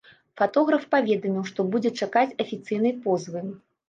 Фатограф паведаміў, што будзе чакаць афіцыйнай позвы.